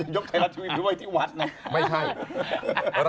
ยกไทรัสทีวีไปไว้ที่วัด